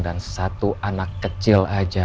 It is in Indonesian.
dan satu anak kecil aja